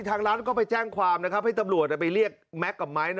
ทางร้านก็ไปแจ้งความนะครับให้ตำรวจไปเรียกแม็กซ์กับไม้